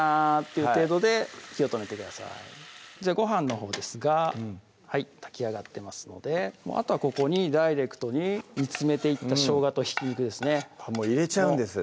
いう程度で火を止めてくださいじゃあご飯のほうですが炊き上がってますのであとはここにダイレクトに煮詰めていったしょうがとひき肉ですねもう入れちゃうんですね